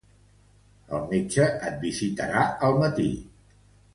El metge et visitarà al matí.